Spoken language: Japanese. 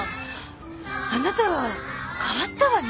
あなたは変わったわね。